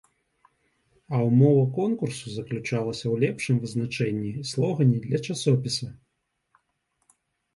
А ўмова конкурсу заключалася ў лепшым вызначэнні і слогане для часопіса.